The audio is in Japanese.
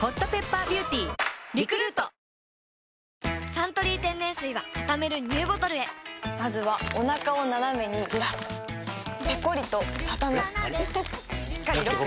「サントリー天然水」はたためるＮＥＷボトルへまずはおなかをナナメにずらすペコリ！とたたむしっかりロック！